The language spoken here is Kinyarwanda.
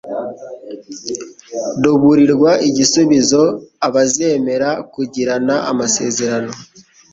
ruburirwa igisubizo. Abazemera kugirana amasezerano